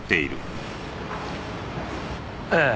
ええ。